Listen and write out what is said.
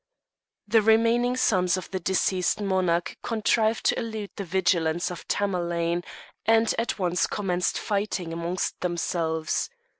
The remaining sons of the deceased monarch contrived to elude the vigilance of Tamerlane, and at once commenced fighting amongst themselves.